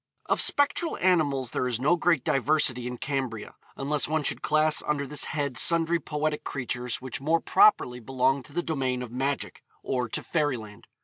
Of spectral animals there is no great diversity in Cambria, unless one should class under this head sundry poetic creatures which more properly belong to the domain of magic, or to fairyland.